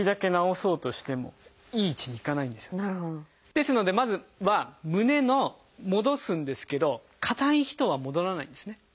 ですのでまずは胸の戻すんですけど硬い人は戻らないんですね。